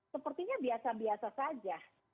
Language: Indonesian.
sepertinya biasa biasa saja